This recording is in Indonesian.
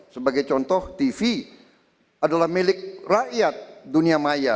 sebagai contoh tv adalah milik rakyat dunia maya